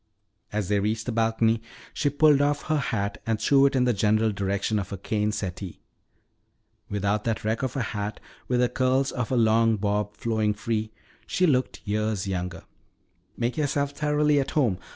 As they reached the balcony she pulled off her hat and threw it in the general direction of a cane settee. Without that wreck of a hat, with the curls of her long bob flowing free, she looked years younger. "Make yourselves thoroughly at home.